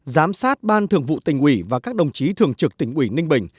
một giám sát ban thường vụ tình quỷ và các đồng chí thường trực tình quỷ ninh bình